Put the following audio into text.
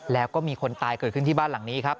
แล้วก็มีคนตายเกิดขึ้นที่บ้านหลังนี้ครับ